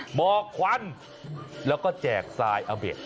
หมอกควันแล้วก็แจกทรายอาเบะ